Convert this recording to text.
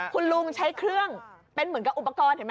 คุณลุงใช้เครื่องเป็นเหมือนกับอุปกรณ์เห็นไหม